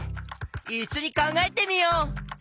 いっしょにかんがえてみよう！